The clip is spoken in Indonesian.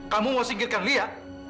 kamu mau singkirkan li ya